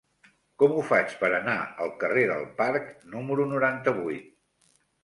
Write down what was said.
Com ho faig per anar al carrer del Parc número noranta-vuit?